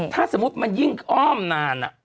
ถ้าสมมุติมันยิ่งอ้อมนาน